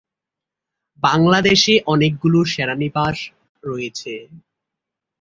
বাংলাদেশে অনেকগুলো সেনানিবাস রয়েছে।